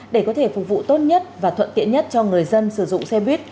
để có thể phục vụ tốt nhất và thuận tiện nhất cho người dân sử dụng xe buýt